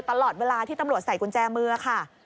ตลอดเวลาที่ตำรวจใส่กุญแจมือค่ะ